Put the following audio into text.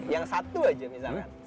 yang satu aja misalnya